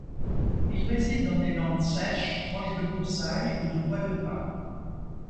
Il réside dans des landes sèches proches de broussailles ou de bois de pins.